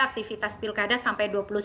aktivitas pilkada sampai